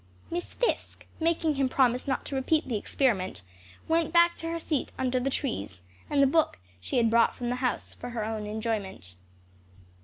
Miss Fisk, making him promise not to repeat the experiment, went back to her seat under the trees and the book she had brought from the house for her own enjoyment.